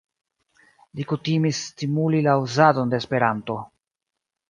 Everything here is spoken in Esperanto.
Li kutimis stimuli la uzadon de Esperanto.